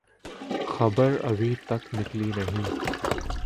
خبر ابھی تک نکلی نہیں۔